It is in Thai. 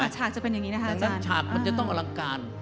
ฉากมันจะต้องอลังการ